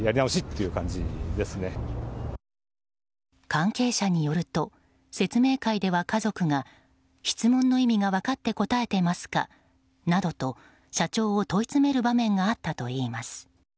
関係者によると説明会では家族が質問の意味が分かって答えていますか？などと社長を問い詰める場面があったといいます。